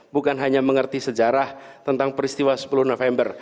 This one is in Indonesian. bukan hanya mengerti sejarah tentang peristiwa sepuluh november